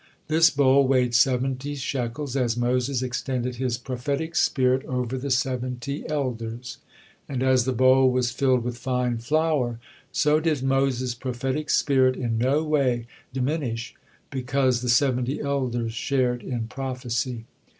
This bowl weighed seventy shekels, as Moses extended his prophetic spirit over the seventy elders; and as the bowl was filled with fine flour, so did Moses' prophetic spirit in no way diminish because the seventy elders shared in prophecy.